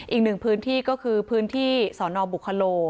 อีกหนึ่งพื้นที่ก็คือพื้นที่สนบุคโล